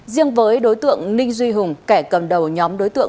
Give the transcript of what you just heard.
riêng với đối tượng ninh duy hùng kẻ cầm đầu nhóm đối tượng